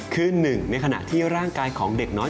คือหนึ่งในขณะที่ร่างกายของเด็กน้อย